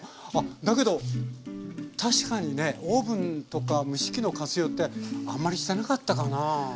だけど確かにねオーブンとか蒸し器の活用ってあんまりしてなかったかな。